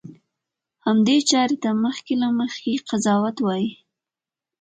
همدې چارې ته مخکې له مخکې قضاوت وایي.